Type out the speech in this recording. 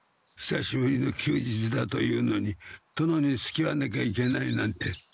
ひさしぶりの休日だというのに殿につきあわなきゃいけないなんて。